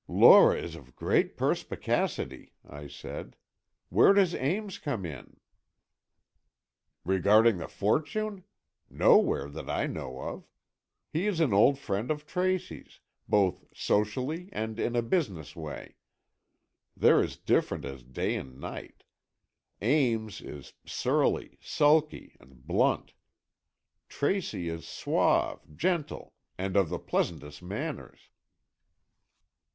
"Lora is of great perspicacity," I said. "Where does Ames come in?" "Regarding the fortune? Nowhere, that I know of. He is an old friend of Tracy's, both socially and in a business way. They're as different as day and night. Ames is surly, sulky, and blunt. Tracy is suave, gentle, and of the pleasantest manners."